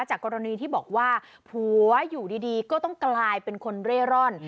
กรณีที่บอกว่าผัวอยู่ดีก็ต้องกลายเป็นคนเร่ร่อน